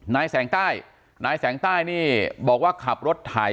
นายแสงใต้นายแสงใต้นี่บอกว่าขับรถไถ